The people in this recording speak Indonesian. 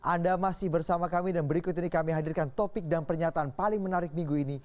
anda masih bersama kami dan berikut ini kami hadirkan topik dan pernyataan paling menarik minggu ini